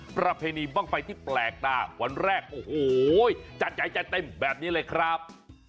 ประเพณีบ้างไฟที่แปลกตาวันแรกโอ้โหจัดใหญ่จัดเต็มแบบนี้เลยครับ